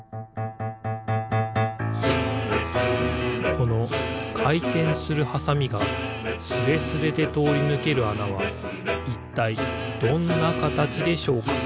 このかいてんするハサミがスレスレでとおりぬけるあなはいったいどんなかたちでしょうか？